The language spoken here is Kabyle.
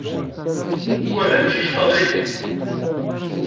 Wa d amcic neɣ d aydi?